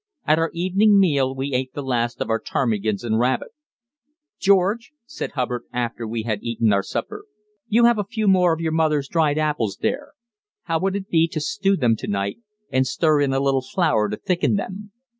At our evening meal we ate the last of our ptarmigans and rabbit. "George," said Hubbard, after we had eaten our supper, "you have a few more of mother's dried apples there. How would it be to stew them to night, and stir in a little flour to thicken them?